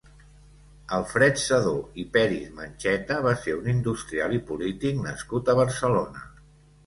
Alfred Sedó i Peris-Mencheta va ser un industrial i polític nascut a Barcelona.